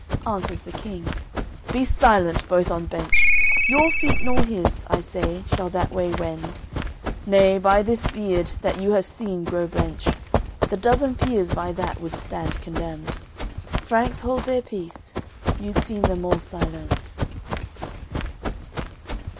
Answers the King: "Be silent both on bench; Your feet nor his, I say, shall that way wend. Nay, by this beard, that you have seen grow blench, The dozen peers by that would stand condemned. Franks hold their peace; you'd seen them all silent.